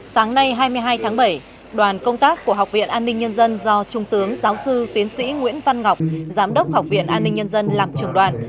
sáng nay hai mươi hai tháng bảy đoàn công tác của học viện an ninh nhân dân do trung tướng giáo sư tiến sĩ nguyễn văn ngọc giám đốc học viện an ninh nhân dân làm trưởng đoàn